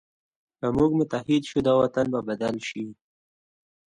که موږ متحد شو، دا وطن به بدل شي.